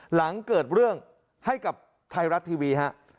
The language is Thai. หลังเกิดเรื่องให้กับไทยรัฐทีวีฮะ